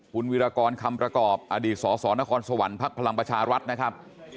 คุณวิรากรคำประกอบอดีตสสนครสวรรค์ภักดิ์พลังประชารัฐนะครับ